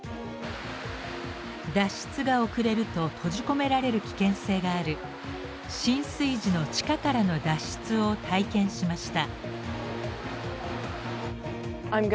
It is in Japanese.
脱出が遅れると閉じ込められる危険性がある浸水時の地下からの脱出を体験しました。